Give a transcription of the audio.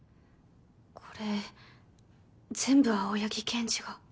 これ全部青柳検事が？